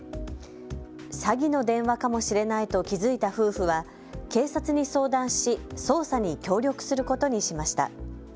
詐欺の電話かもしれないと気付いた夫婦は警察に相談し捜査に協力することにしました。